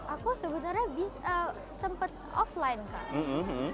aku sebenarnya sempat offline kang